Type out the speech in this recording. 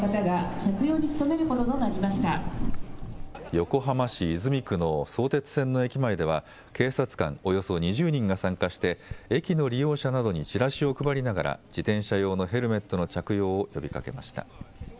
横浜市泉区の相鉄線の駅前では警察官およそ２０人が参加して駅の利用者などにチラシを配りながら自転車用のヘルメットの着用を呼びかけました。